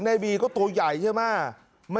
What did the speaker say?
สวัสดีครับทุกคน